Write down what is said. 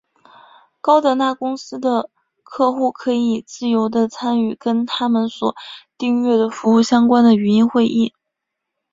高德纳公司的客户可以自由的参与跟它们所订阅的服务相关的语音会议。